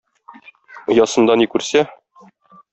Оясында ни күрсә...